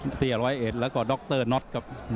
ปุเตศร้อยเอสแล้วก็ดรนอทครับ